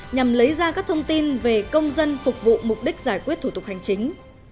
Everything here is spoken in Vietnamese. nhằm lấy ra các thông tin về công dân phục vụ mục đích giải quyết thủ tục hành chính